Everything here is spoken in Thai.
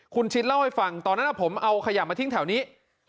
คุณชิดเล่าให้ฟังตอนนั้นผมเอาขยะมาทิ้งแถวนี้